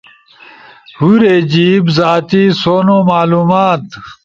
ہُورے جیِب، زاتی سونو معلومات